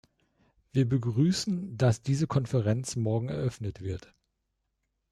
Wir begrüßen, dass diese Konferenz morgen eröffnet wird.